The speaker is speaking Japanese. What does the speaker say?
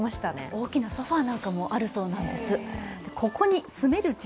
大きなソファなんかもあるそうなんです。